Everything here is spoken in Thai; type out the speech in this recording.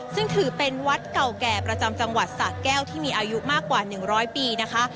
ซึ่งถือเป็นวัดเก่าแก่ประจำจังหวัดสะแก้วที่มีอายุมากกว่า๑๐๐ปีนะคะ